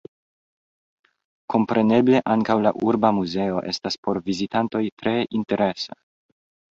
Kompreneble ankaŭ la urba muzeo estas por vizitantoj tre interesa.